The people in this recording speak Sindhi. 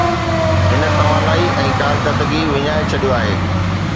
هن توانائي ۽ ڪارڪردگي وڃائي ڇڏيو آهي.